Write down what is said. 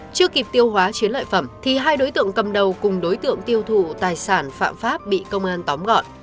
chưa kịp tiêu hóa chiến lợi phẩm thì hai đối tượng cầm đầu cùng đối tượng tiêu thụ tài sản phạm pháp bị công an tóm gọn